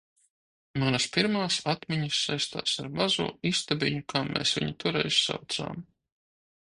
Manas pirmās atmiņas saistās ar mazo istabiņu, kā mēs viņu toreiz saucām.